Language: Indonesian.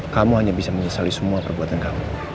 kamu hanya bisa menyesali semua perbuatan kamu